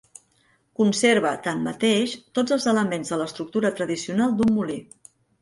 Conserva, tanmateix, tots els elements de l'estructura tradicional d'un molí.